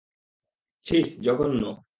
ছিঃ, জঘন্য।